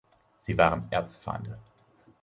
Sie waren Erzfeinde.